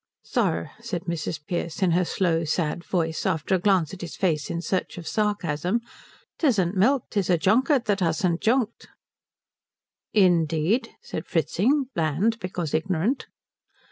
"Sir," said Mrs. Pearce in her slow sad voice, after a glance at his face in search of sarcasm, "'tisn't milk. 'Tis a junket that hasn't junked." "Indeed?" said Fritzing, bland because ignorant.